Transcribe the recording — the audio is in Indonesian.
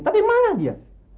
tapi mana dia